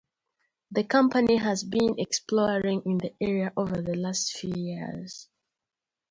The company has been exploring in the area over the last few years.